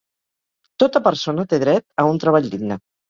Tota persona té dret a un treball digne.